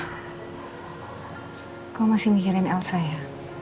pak kau masih mikirin elsa ya